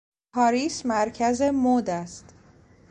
پاریس مرکز مد است.